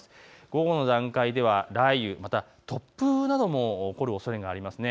午後の段階では雷雨、または突風などが起こるおそれがあります。